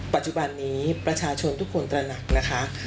ปัจจุบันนี้ประชาชนทุกคนตระหนักนะคะ